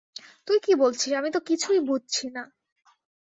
তুই কি বলছিস, আমি তো কিছুই বুঝছি না।